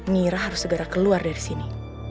ngira harus segera keluar dari sini